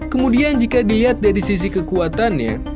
kemudian jika dilihat dari sisi kekuatannya